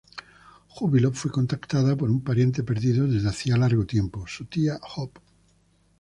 Júbilo fue contactada por un pariente perdido desde hacía largo tiempo, su tía Hope.